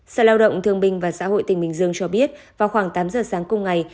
sở lao động thương binh và xã hội tỉnh bình dương cho biết vào khoảng tám giờ sáng cùng ngày